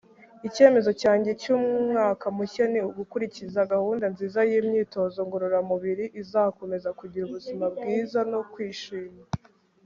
icyemezo cyanjye cy'umwaka mushya ni ugukurikiza gahunda nziza y'imyitozo ngororamubiri izakomeza kugira ubuzima bwiza no kwishima